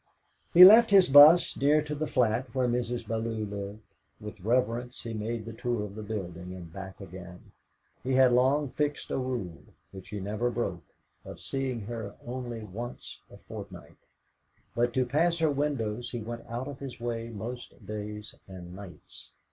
He left his bus near to the flat where Mrs. Bellow lived; with reverence he made the tour of the building and back again. He had long fixed a rule, which he never broke, of seeing her only once a fortnight; but to pass her windows he went out of his way most days and nights.